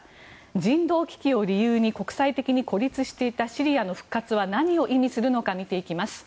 人道危機を理由に国際的に孤立していたシリアの復活は何を意味するのか見ていきます。